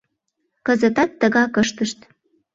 Кызытат тыгак ыштышт.